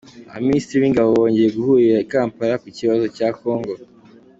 Abaminisitiri b’ingabo bongeye guhurira i Kampala ku kibazo cya Congo